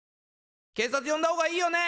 警察呼んだほうがいいよね？